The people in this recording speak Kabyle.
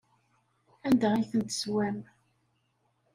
Anda ay ten-teswam?